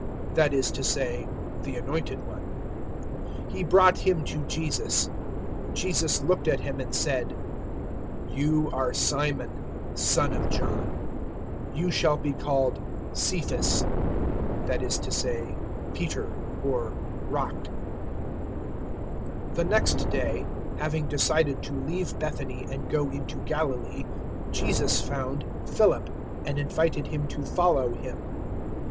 that is to say, the Anointed One. 001:042 He brought him to Jesus. Jesus looked at him and said, "You are Simon, son of John: you shall be called Cephas" that is to say, Peter (or `Rock'). 001:043 The next day, having decided to leave Bethany and go into Galilee, Jesus found Philip, and invited him to follow Him.